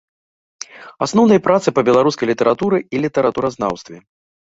Асноўныя працы па беларускай літаратуры і літаратуразнаўстве.